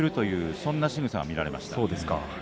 そんなしぐさが見られました。